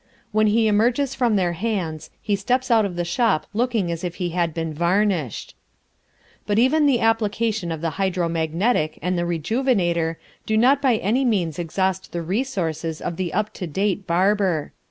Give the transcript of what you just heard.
When he emerges from their hands, he steps out of the shop looking as if he had been varnished. But even the application of the Hydro magnetic and the Rejuvenator do not by any means exhaust the resources of the up to date barber.